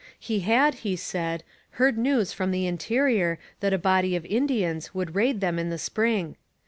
He had, he said, heard news from the interior that a body of Indians would raid them in the spring.